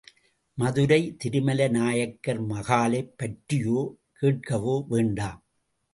மதுரை திருமலை நாயக்கர் மகாலைப் பற்றியோ கேட்கவே வேண்டாம்.